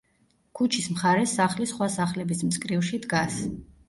ქუჩის მხარეს სახლი სხვა სახლების მწკრივში დგას.